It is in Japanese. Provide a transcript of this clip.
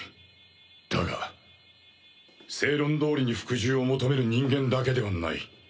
だが正論どおりに服従を求める人間だけではない。